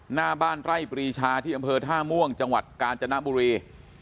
หน้าบ้านไร่ปรีชาที่อำเภอท่าม่วงจังหวัดกาญจนบุรี